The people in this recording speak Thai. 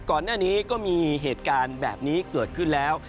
ก่อนหน้านี้ก็มีเหตุการณ์แบบนี้เกิดขึ้นแล้ว